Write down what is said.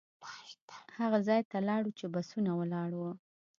هغه ځای ته لاړو چې بسونه ولاړ وو.